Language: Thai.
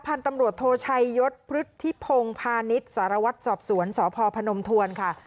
พันธุ์ตำรวจโทชัยยศพฤทธิพงศ์พาณิชย์สารวัตรสอบสวนสพพนมทวนค่ะ